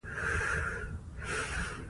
په افغانستان کې مس شتون لري.